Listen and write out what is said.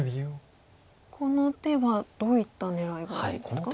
この手はどういった狙いがあるんですか？